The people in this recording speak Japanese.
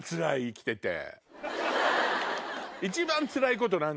生きてて。